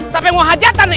sampai ngohajatan nih